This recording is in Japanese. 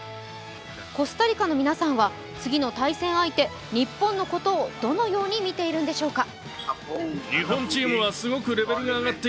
コスタリカの皆さんは次の対戦相手・日本のことをどのように見ているんでしょうか。